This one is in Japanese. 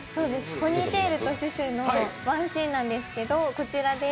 「ポニーテールとシュシュ」のワンシーンなんですけど、こちらです。